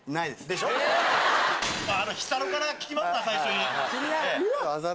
日サロから聞きますか最初に。